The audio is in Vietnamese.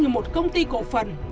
một công ty cổ phần